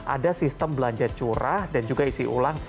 ada sistem belanja curah dan juga isi ulang